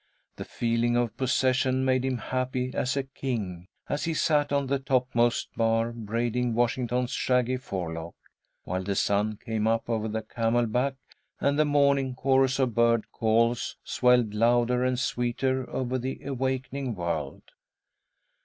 The feeling of possession made him happy as a king, as he sat on the topmost bar braiding Washington's shaggy forelock, while the sun came up over the Camelback, and the morning chorus of bird calls swelled louder and sweeter over the awakening world.